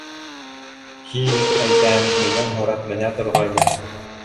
Һин, әйтәм, минән һорап менә торғайның...